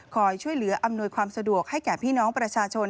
ช่วยเหลืออำนวยความสะดวกให้แก่พี่น้องประชาชน